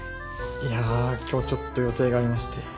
いや今日ちょっと予定がありまして。